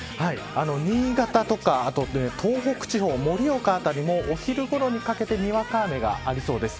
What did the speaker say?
新潟とか、あと東北地方盛岡辺りもお昼ごろにかけてにわか雨がありそうです。